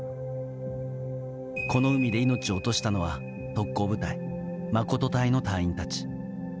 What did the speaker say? この海で命を落としたのは特攻隊員、誠隊の隊員たち。